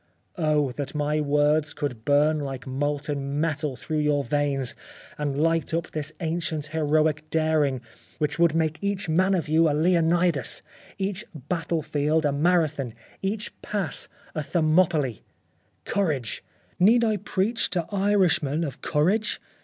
" Oh ! that my words could burn like molten metal through your veins, and light up this ancient heroic daring which would make each man of you a Leonidas — each battle field a Marathon — each pass a Thermopylae, Courage ! need I preach to Irishmen of courage